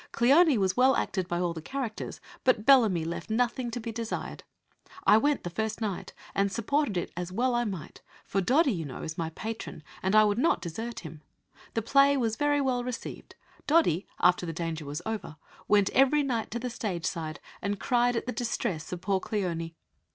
Cleone was well acted by all the characters, but Bellamy left nothing to be desired. I went the first night, and supported it as well as I might; for Doddy, you know, is my patron, and I would not desert him. The play was very well received. Doddy, after the danger was over, went every night to the stage side, and cried at the distress of poor Cleone.